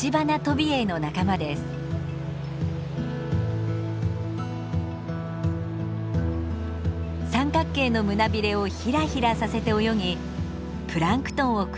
三角形の胸びれをヒラヒラさせて泳ぎプランクトンを口に流し込みます。